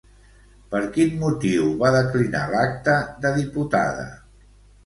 Per quin motiu va declinar l'acta de diputada?